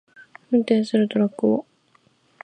運転するトラックを